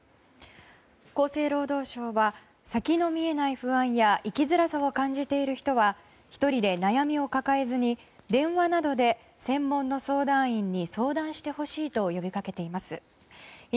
厚生労働省は先の見えない不安や生きづらさを感じている人は１人で悩みを抱えずに電話などで専門の相談員に相談してほしいと呼びかけています。